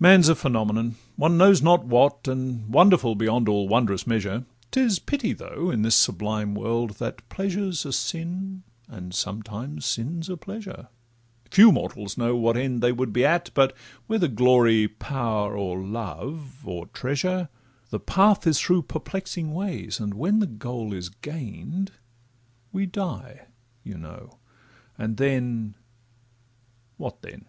Man 's a phenomenon, one knows not what, And wonderful beyond all wondrous measure; 'Tis pity though, in this sublime world, that Pleasure 's a sin, and sometimes sin 's a pleasure; Few mortals know what end they would be at, But whether glory, power, or love, or treasure, The path is through perplexing ways, and when The goal is gain'd, we die, you know—and then— What then?